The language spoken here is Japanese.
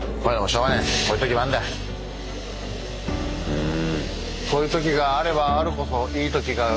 うん。